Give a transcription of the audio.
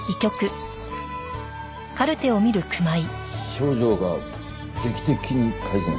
症状が劇的に改善？